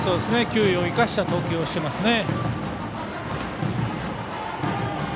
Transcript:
球威を生かした投球をしていますね。